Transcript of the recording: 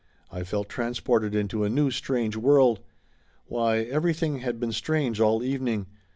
I felt transported into a new strange world. Why, everything had been strange all evening